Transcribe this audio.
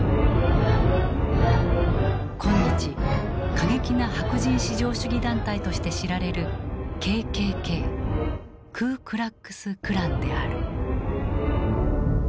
今日過激な白人至上主義団体として知られるＫＫＫクー・クラックス・クランである。